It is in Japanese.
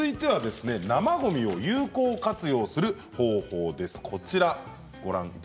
生ごみを有効活用する方法です。